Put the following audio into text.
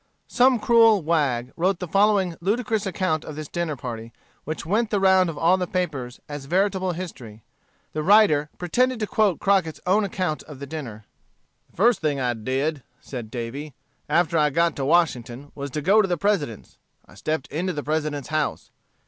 Some cruel wag wrote the following ludicrous account of this dinner party, which went the round of all the papers as veritable history. The writer pretended to quote Crockett's own account of the dinner. "The first thing I did," said Davy, "after I got to Washington, was to go to the President's. I stepped into the President's house.